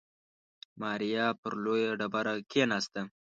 ماريا پر لويه ډبره کېناسته.